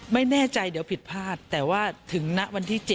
ไม่แน่ใจเดี๋ยวผิดพลาดแต่ว่าถึงณวันที่๗